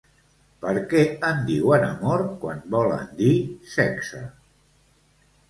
Perquè en diuen amor quan volen dir sexe